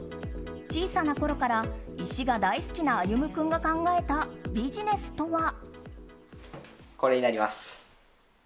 小さなころから石が大好きな歩君が考えたビジネスとは？